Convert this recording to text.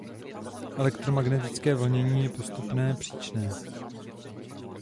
Elektromagnetické vlnění je postupné příčné.